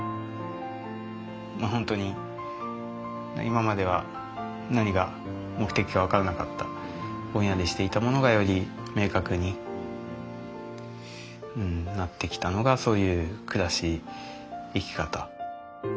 もう本当に今までは何が目的か分からなかったぼんやりしていたものがより明確になってきたのがそういう暮らし生き方。